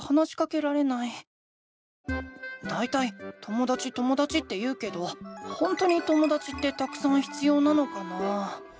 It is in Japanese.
だいたいともだちともだちって言うけどほんとにともだちってたくさん必要なのかな？